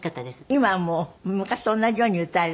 今も昔と同じように歌える？